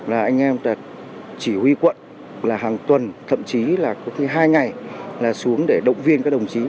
là anh em chỉ huy quận là hàng tuần thậm chí là hai ngày là xuống để động viên các đồng chí